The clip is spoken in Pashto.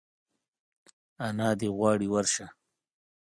انا دي غواړي ورشه !